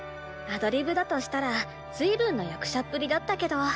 アドリブだとしたら随分な役者っぷりだったけど。